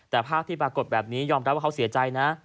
แต่ภาพที่ปรากฏแบบนี้ยอมรับว่าเขาเสียใจนะ